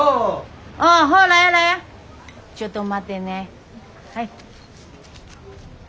ちょっと待ってね。